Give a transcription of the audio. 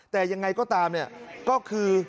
แต่ยังไงก็ตามก็คือ